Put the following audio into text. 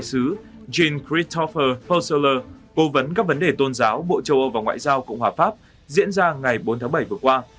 đại sứ jean christopher peruller cố vấn các vấn đề tôn giáo bộ châu âu và ngoại giao cộng hòa pháp diễn ra ngày bốn tháng bảy vừa qua